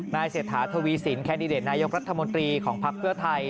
เศรษฐาทวีสินแคนดิเดตนายกรัฐมนตรีของภักดิ์เพื่อไทย